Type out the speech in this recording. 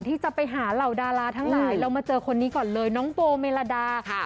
ที่จะไปหาเหล่าดาราทั้งหลายเรามาเจอคนนี้ก่อนเลยน้องโบเมลาดาค่ะ